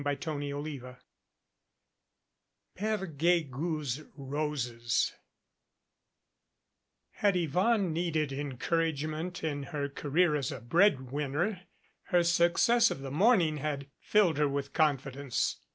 CHAPTER XVII PERE GUEGOU'S ROSES HAD Yvonne needed encouragement in her career as a bread winner her success of the morning had filled her with confidence.